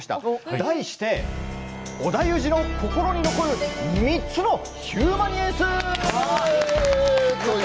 題して「織田裕二の心に残る３つのヒューマニエンス！」